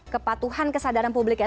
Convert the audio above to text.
kepatuhan kesadaran publiknya